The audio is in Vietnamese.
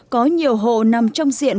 có nhiều hộ nằm trong diện